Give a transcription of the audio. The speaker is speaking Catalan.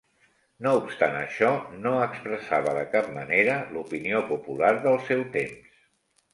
No obstant això, no expressava de cap manera l'opinió popular del seu temps.